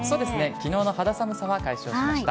きのうの肌寒さは解消しました。